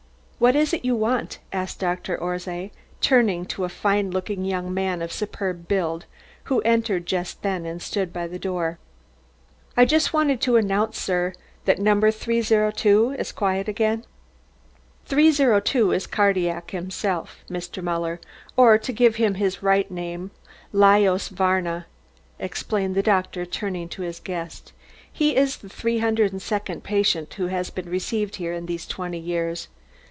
"What is it you want?" asked Doctor Orszay, turning to a fine looking young man of superb build, who entered just then and stood by the door. "I just wanted to announce, sir, that No. 302 is quiet again! "302 is Cardillac himself, Mr. Muller, or to give him his right name, Lajos Varna," explained the doctor turning to his guest. "He is the 302nd patient who has been received here in these twenty years.